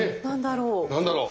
何だろう？